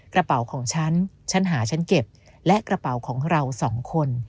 กระเป๋าของฉันฉันหาฉันเก็บและกระเป๋าของเราสองคน